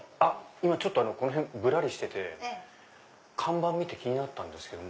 今この辺ぶらりしてて看板見て気になったんですけど。